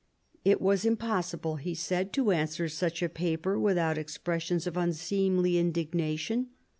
" It was impossible," he said, " to answer such a paper without expressions of unseemly indignation.